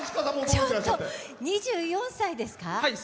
ちょっと２４歳ですか。